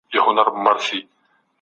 علمي څېړنه اړينه ده.